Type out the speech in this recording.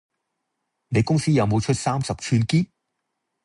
你公司有冇出三十吋喼？